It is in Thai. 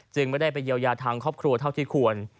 ไม่ได้ไปเยียวยาทางครอบครัวเท่าที่ควร